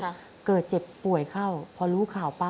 ทำงานชื่อนางหยาดฝนภูมิสุขอายุ๕๔ปี